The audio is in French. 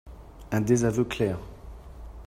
Un désaveu clair